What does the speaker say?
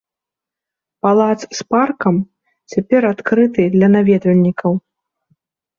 Палац з паркам цяпер адкрыты для наведвальнікаў.